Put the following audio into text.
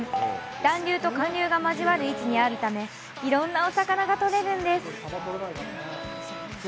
暖流と寒流が交わる位置にあるためいろんなお魚が取れるんです。